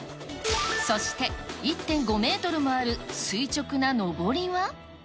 そして、１．５メートルもある垂直な上りは。